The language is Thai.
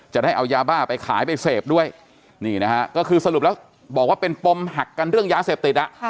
จะได้เอายาบ้าไปขายไปเสพด้วยนี่นะฮะก็คือสรุปแล้วบอกว่าเป็นปมหักกันเรื่องยาเสพติด